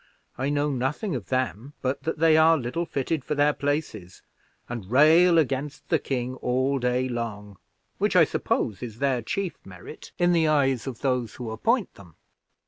I know nothing of them, but that they are little fitted for their places, and rail against the king all day long, which, I suppose, is their chief merit in the eyes of those who appoint them.